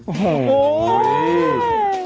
โอ้โห